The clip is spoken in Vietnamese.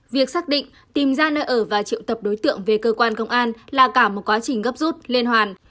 việc xác định tìm ra nơi ở và triệu tập đối tượng về cơ quan công an là cả một quá trình gấp rút liên hoàn